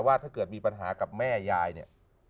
ว่าถ้าเกิดมีปัญหากับแม่ยายเนี่ย